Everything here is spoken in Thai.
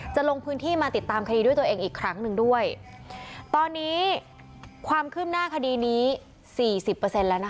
จะลงพื้นที่มาติดตามคดีด้วยตัวเองอีกครั้งหนึ่งด้วยตอนนี้ความคืบหน้าคดีนี้สี่สิบเปอร์เซ็นต์แล้วนะคะ